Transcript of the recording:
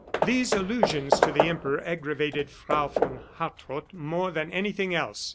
These allusions to the Emperor aggravated Frau von Hartrott more than anything else.